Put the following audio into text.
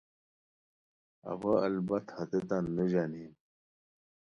اوا البت ہتیتان نو ژانیم